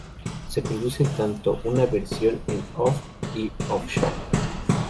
Se produce tanto en una versión en off y offshore.